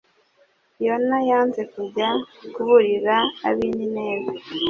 yona yanze kujya kuburira abi nineve